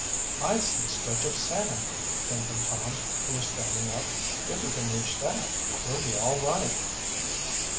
"I see a stretch of sand!" came from Tom, who was standing up. "If we can reach that, we'll be all right."